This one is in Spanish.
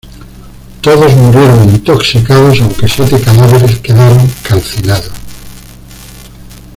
Todos murieron intoxicados, aunque siete cadáveres quedaron calcinados.